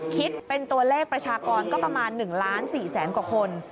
คิดเป็นตัวเลขประชากรก็ประมาณ๑ล้าน๔แสนกว่าคน